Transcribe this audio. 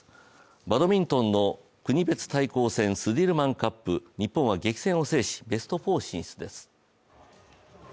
バドミントンの国別対抗戦スディルマンカップ、日本は激戦を制しベスト４進出です